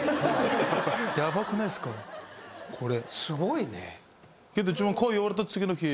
すごいね。